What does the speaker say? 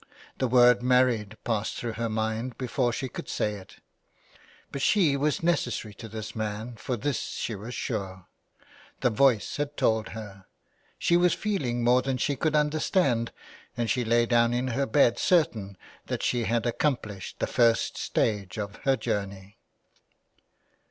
The word married passed through her mind before she could stay it But she was necessary to this man, of this she was sure ; the Voice had told her. She was feeling more than she could understand, and she lay down in her bed certain that she had accom plished the first stage of her journey.